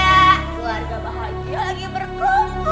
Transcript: keluarga bahagia lagi berkumpul